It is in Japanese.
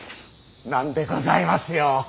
なんでございますよ。